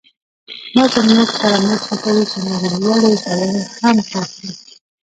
دا زموږ سره مرسته کوي چې نورو لوړو ژورو هم پوه شو.